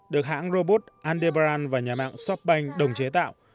được hãng robot andebran và nhà mạng shopbank đồng chế tạo